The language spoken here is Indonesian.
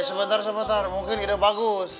sebentar sebentar mungkin ini bagus